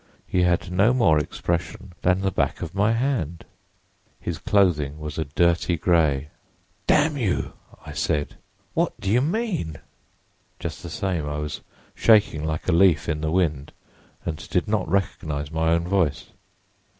He had no more expression than the back of my hand. His clothing was a dirty gray. "'Damn you!' I said; 'what do you mean?' "Just the same, I was shaking like a leaf in the wind and did not recognize my own voice.